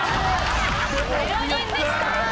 ０人でした。